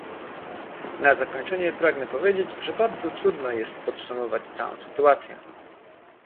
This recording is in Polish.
Na zakończenie pragnę powiedzieć, że bardzo trudno jest podsumować całą sytuację